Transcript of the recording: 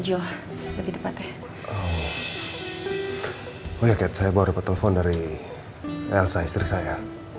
oh ya kat saya baru dapet telepon dari elsa istri saya